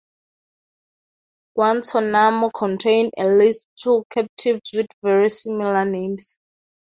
Guantanamo contained at least two captives with very similar names.